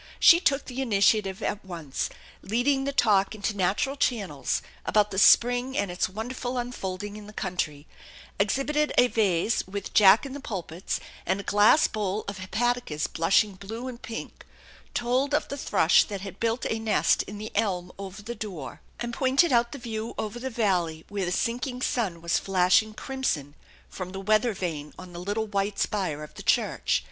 She took the initiative at once, leading the talk into natural channels, about the spring and its won derful unfolding in the country, exhibited a vase with jack in the pulpits, and a glass bowl of hepaticas blushing blue and pink, told of the thrush that had built a nest in the elm over the door, and pointed out the view over the valley wher* THE ENCHANTED BARN 163 the sinking sun was flashing crimson from the weather vane on the little white spire of the church.